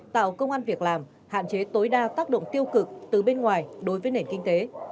tạo công an việc làm hạn chế tối đa tác động tiêu cực từ bên ngoài đối với nền kinh tế